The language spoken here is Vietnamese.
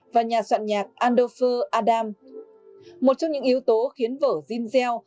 và nhà soạn nhạc andofu adam một trong những yếu tố khiến vở jean gell